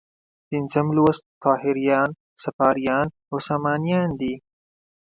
پنځم لوست طاهریان، صفاریان او سامانیان دي.